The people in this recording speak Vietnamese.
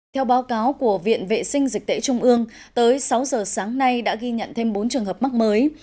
theo báo cáo của viện vệ sinh dịch tễ trung ương tới sáu giờ sáng nay đã ghi nhận thêm bốn trường hợp mắc mới